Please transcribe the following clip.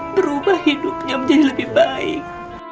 berubah hidupnya menjadi lebih baik